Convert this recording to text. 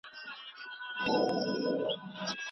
د غیرت ټیټو شملو ته لوپټه له کومه راوړو